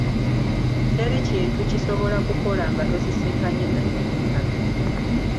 Teri kintu kisobola kukola nga tosisinkanye nannyini ttaka.